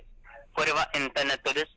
これはインターネットです。